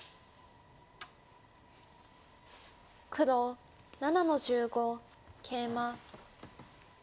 黒７の十五ケイマ。